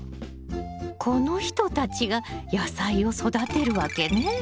この人たちが野菜を育てるわけね！